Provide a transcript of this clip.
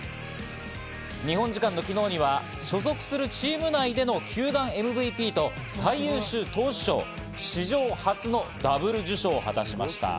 日本時間の昨日には所属するチーム内での球団ＭＶＰと最優秀投手賞、史上初のダブル受賞を果たしました。